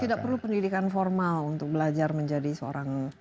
tidak perlu pendidikan formal untuk belajar menjadi seorang kapten kapal gitu